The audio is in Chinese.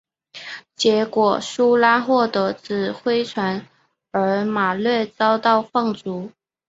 结果苏拉获得指挥权而马略遭到放逐。